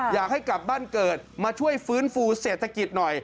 อยากให้กลับบ้านเกิดมาช่วยฟื้นฟูเศรษฐกิจหน่อย